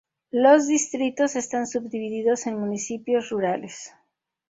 Los distritos están subdivididos en municipios rurales.